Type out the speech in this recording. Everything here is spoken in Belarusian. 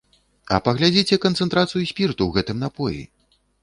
А паглядзіце канцэнтрацыю спірту ў гэтым напоі!